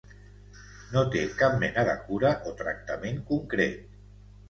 No té cap mena de cura o tractament concret.